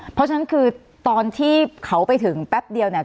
เพราะฉะนั้นคือตอนที่เขาไปถึงแป๊บเดียวเนี่ย